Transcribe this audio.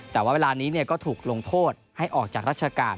แต่ว่าเวลานี้ก็ถูกลงโทษให้ออกจากราชการ